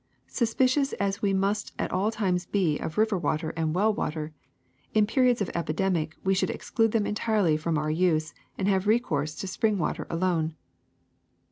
Suspicious as we must at all times be of river water and well water, in periods of epidemic we should exclude them entirely from our use and have recourse to spring water alone.